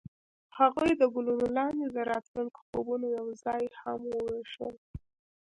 هغوی د ګلونه لاندې د راتلونکي خوبونه یوځای هم وویشل.